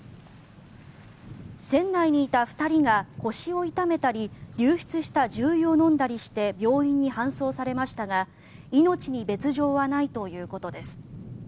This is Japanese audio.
船内にいた２人が腰を痛めたり流出した重油を飲んだりして病院に搬送されましたが命に別条はないということです。